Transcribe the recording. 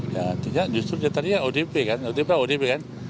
ya justru dia tadi yang odp kan odp kan